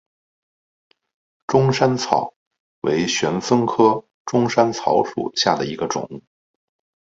钟山草为玄参科钟山草属下的一个种。